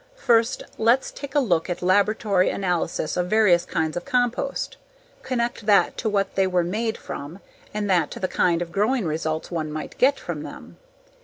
First, lets take a look at laboratory analyses of various kinds of compost, connect that to what they were made from and that to the kind of growing results one might get from them.